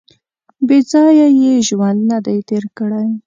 • بېځایه یې ژوند نهدی تېر کړی.